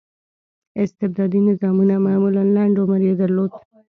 استبدادي نظامونه معمولا لنډ عمر یې درلود.